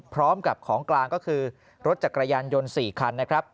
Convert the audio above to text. พร้อมกับของกลางก็คือรถจักรยานยนต์๔คันนะครับ